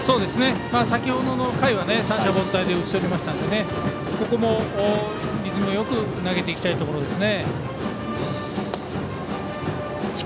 先程の回は、三者凡退で打ち取りましたのでここもリズムよく投げていきたいですね。